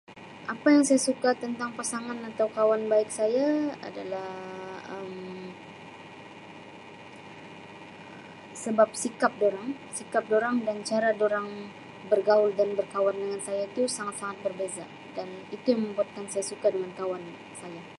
Apa yang saya suka tentang pasangan atau kawan baik saya adalah Um sebab sikap dorang, sikap dorang dan cara dorang bergaul dan berkawan dengan saya itu sangat-sangat berbeza dan itu membuatkan saya suka dengan kawan saya.